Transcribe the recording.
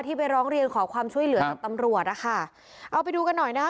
ไปร้องเรียนขอความช่วยเหลือจากตำรวจนะคะเอาไปดูกันหน่อยนะคะ